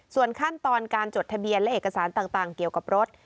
ส่วนขั้นตอนการจดทะเบียนและเอกสารต่างเกี่ยวกับรถ